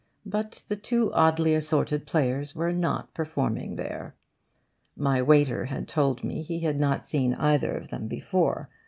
But the two oddly assorted players were not performing there. My waiter had told me he had not seen either of them before.